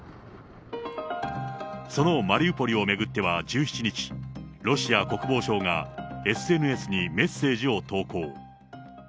そのマリウポリを巡っては１７日、ロシア国防省がＳＮＳにメッセージを投稿。